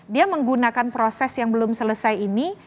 dia menggunakan proses yang belum selesai ini